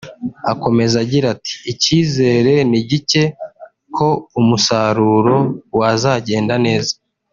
Akomeza agira ati” Icyizere ni gike ko umusaruro wazagenda neza